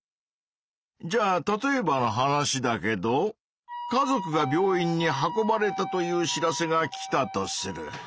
じゃあ例えばの話だけど家族が病院に運ばれたという知らせが来たとする。